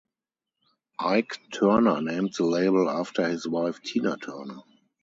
Ike Turner named the label after his wife Tina Turner.